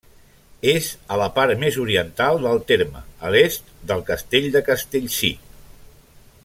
És a la part més oriental del terme, a l'est del Castell de Castellcir.